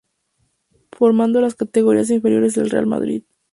Formado en las categorías inferiores del Real Madrid.